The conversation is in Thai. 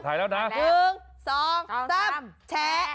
ถ่ายแล้วันหรือยื่นสองสามแชะ